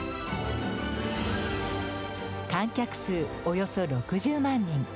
観客数、およそ６０万人。